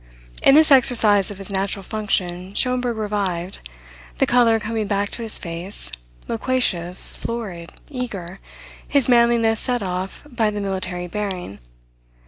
In this exercise of his natural function Schomberg revived, the colour coming back to his face, loquacious, florid, eager, his manliness set off by the military bearing.